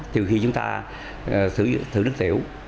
từ khi chúng ta thử nước tiểu